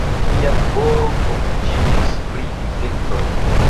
Lia laboro fokusiĝis pri infektoj.